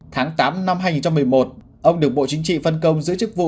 tháng tám năm hai nghìn một mươi một ông được bộ chính trị phân công giữ chức vụ